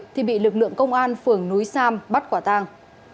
thì bị lực lượng công an phường núi sam bắt quả tang